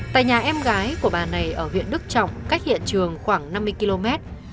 tại nhà em gái của bà này ở huyện đức trọng cách hiện trường khoảng năm mươi km